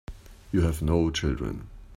You have no children.